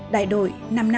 đại đội năm trăm năm mươi hai